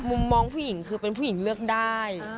มุมมองผู้หญิงคือเป็นผู้หญิงเลือกได้